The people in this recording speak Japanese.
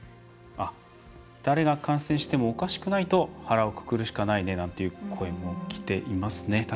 「誰が感染してもおかしくないと腹をくくるしかないね」。なんていう声もきていますね。